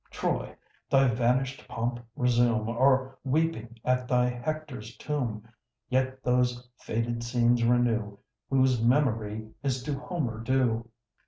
Troy, thy vanish'd pomp resume, Or, weeping at thy Hector's tomb, Yet those faded scenes renew, Whose memory is to Homer due.